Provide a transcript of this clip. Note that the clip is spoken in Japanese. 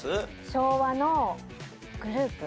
昭和のグループ？